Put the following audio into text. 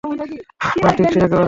না, ঠিক নেই একেবারেই।